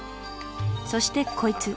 そしてこいつ